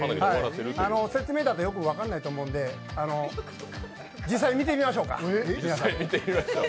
説明だとよく分かんないと思うので実際見てみましょうか。